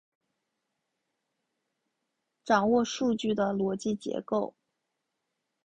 掌握数据的逻辑结构